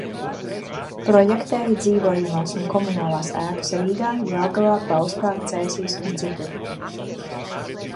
Projektēja dzīvojamās un komunālās ēkas Rīgā, Jelgavā, Bauskā, Cēsīs un citur.